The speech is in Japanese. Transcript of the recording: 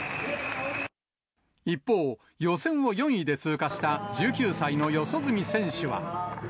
一方、予選を４位で通過した１９歳の四十住選手は。